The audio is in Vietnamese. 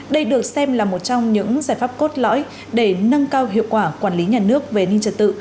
đây được xem là một trong những giải pháp cốt lõi để nâng cao hiệu quả quản lý nhà nước về an ninh trật tự